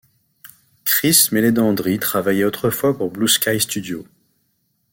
Chris Meledandri travaillait autrefois pour Blue Sky Studios.